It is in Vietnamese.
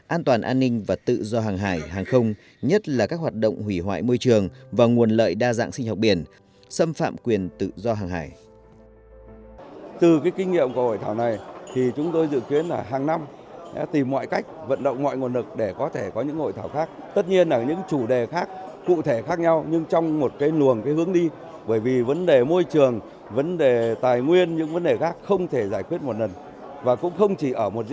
an toàn an ninh và tự do hàng hải hàng không nhất là các hoạt động hủy hoại môi trường và nguồn lợi đa dạng sinh học biển xâm phạm quyền tự do hàng hải